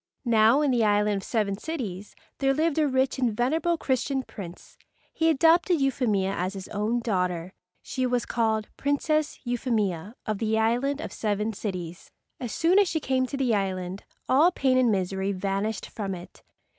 Now in the island of Seven Cities there lived a rich and venerable Christian prince. He adopted Euphemia as his own daughter. She was called Princess Euphemia of the island of Seven Cities. As soon as she came to the island all pain and misery vanished from it.